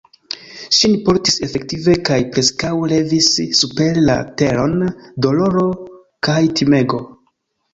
Ŝin portis efektive kaj preskaŭ levis super la teron doloro kaj timego.